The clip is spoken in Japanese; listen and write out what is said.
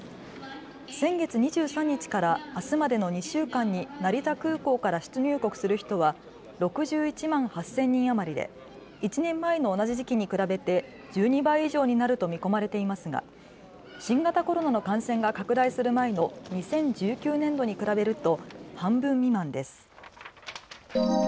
先月２３日からあすまでの２週間に成田空港から出入国する人は６１万８０００人余りで１年前の同じ時期に比べて１２倍以上になると見込まれていますが新型コロナの感染が拡大する前の２０１９年度に比べると半分未満です。